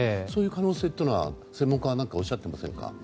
そういう可能性というのは専門家は何かおっしゃっていますか。